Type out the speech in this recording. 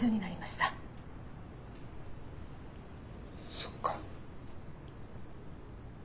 そっか。